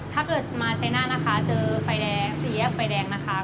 ถ้าเกิดมาชัยหน้านะคะเจอไฟแดงสี่แยกไฟแดงนะคะ